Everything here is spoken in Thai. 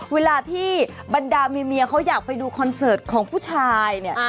เวลาที่บรรดาเมียเขาอยากไปดูคอนเสิร์ตของผู้ชายเนี่ย